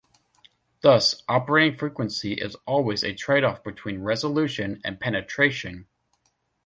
Thus operating frequency is always a trade-off between resolution and penetration.